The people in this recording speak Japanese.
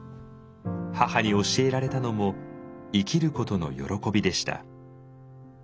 母に教えられたのも「生きることの喜び」でした。